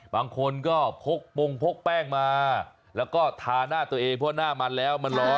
บางคนก็พกปงพกแป้งมาแล้วก็ทาหน้าตัวเองเพราะหน้ามันแล้วมันร้อน